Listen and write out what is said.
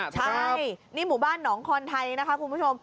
ใช่นี่หมู่บ้านหนองคอนไทยนะคะคุณผู้ชม